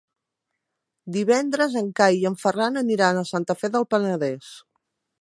Divendres en Cai i en Ferran aniran a Santa Fe del Penedès.